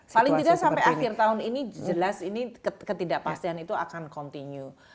paling tidak sampai akhir tahun ini jelas ini ketidakpastian itu akan continue